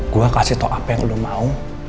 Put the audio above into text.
gua kasih tau apa yang lu mau